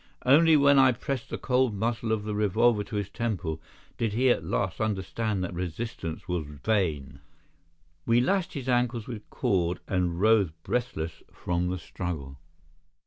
Only when I pressed the cold muzzle of the revolver to his temple did he at last understand that resistance was vain. We lashed his ankles with cord, and rose breathless from the struggle.